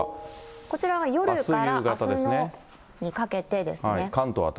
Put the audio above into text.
こちらは夜からあすにかけてですね。